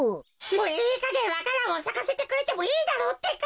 もういいかげんわか蘭をさかせてくれてもいいだろうってか。